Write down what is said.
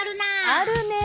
あるねえ。